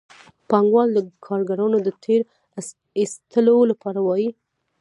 پانګوال د کارګرانو د تېر ایستلو لپاره وايي